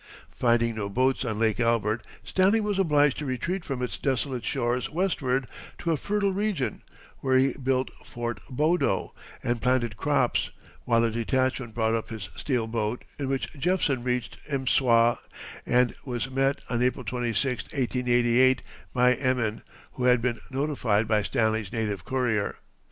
Finding no boats on Lake Albert, Stanley was obliged to retreat from its desolate shores westward to a fertile region, where he built Fort Bodo and planted crops, while a detachment brought up his steel boat, in which Jephson reached M'swa and was met, on April 26, 1888, by Emin, who had been notified by Stanley's native courier.